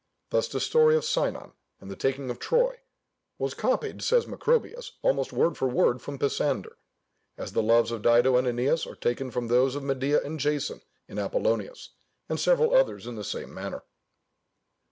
Thus the story of Sinon, and the taking of Troy, was copied (says Macrobius) almost word for word from Pisander, as the loves of Dido and Æneas are taken from those of Medea and Jason in Apollonius, and several others in the same manner.